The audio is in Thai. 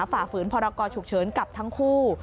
ฝ่าฝืนพรกรฉุกเฉินกับทั้งคู่